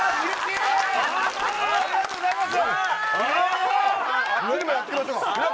ありがとうございます！